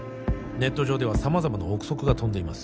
ネット上では様々な臆測が飛んでいます